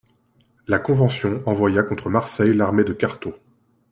La Convention envoya contre Marseille l'armée de Cartaux.